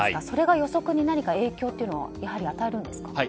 それが予測に何か影響というのは与えるんですか？